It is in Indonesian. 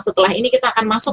setelah ini kita akan masuk